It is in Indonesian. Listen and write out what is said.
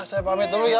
saya pamit dulu ya